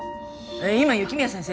今雪宮先生